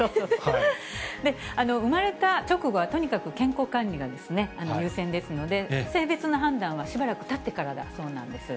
産まれた直後は、とにかく健康管理が優先ですので、性別の判断はしばらくたってからだそうなんです。